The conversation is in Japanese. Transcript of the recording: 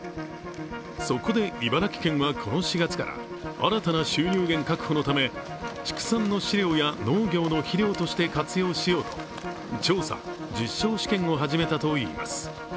そこで茨城県はこの４月から、新たな収入源確保のため畜産の飼料や農業の肥料として活用しようと調査・実証試験を始めたといいます